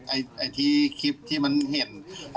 ไอ้ที่คลิปที่มันเห็น